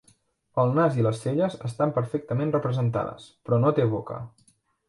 El nas i les celles estan perfectament representades, però no té boca.